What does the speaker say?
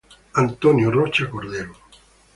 Antonio Rocha Cordero.